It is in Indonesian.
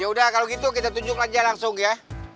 yaudah kalau gitu kita tunjuk lanjah langsung ya